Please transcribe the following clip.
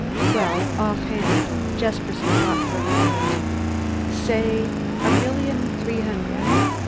"Well, offhand " Jesperson thought for a moment. "Say, a million three hundred.